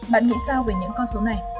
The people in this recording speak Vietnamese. bạn nghĩ sao về những con số này